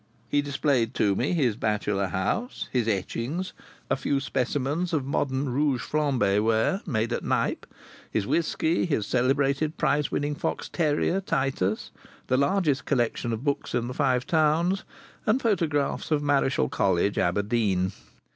He displayed to me his bachelor house, his etchings, a few specimens of modern rouge flambé ware made at Knype, his whisky, his celebrated prize winning fox terrier Titus, the largest collection of books in the Five Towns, and photographs of Marischal College, Aberdeen.